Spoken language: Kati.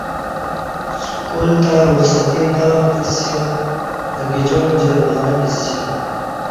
سکول تہ رخصتی نہ وگتسیا اگجاعں جرمانہ بسیا